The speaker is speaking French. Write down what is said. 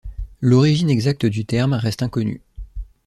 L’origine exacte du terme reste inconnue.